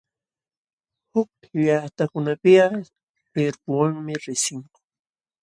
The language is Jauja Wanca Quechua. Huk llaqtakunapiqa rirpuwanmi riqsinku.